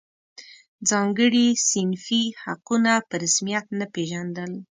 ځانګړي صنفي حقونه په رسمیت نه پېژندل.